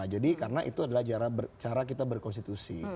karena itu adalah cara kita berkonstitusi